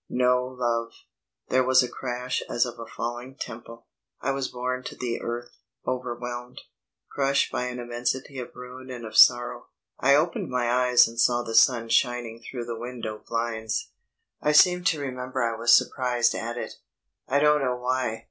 No love. There was a crash as of a falling temple. I was borne to the earth, overwhelmed, crushed by an immensity of ruin and of sorrow. I opened my eyes and saw the sun shining through the window blinds. I seem to remember I was surprised at it. I don't know why.